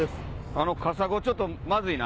あのカサゴちょっとまずいな。